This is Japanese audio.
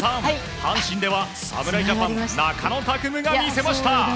阪神では侍ジャパン中野拓夢が見せました！